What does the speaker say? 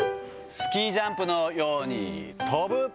スキージャンプのように飛ぶ。